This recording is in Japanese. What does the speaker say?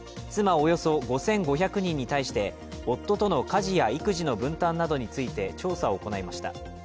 およそ５５００人に対して、夫との家事や育児の分担などについて調査を行いました。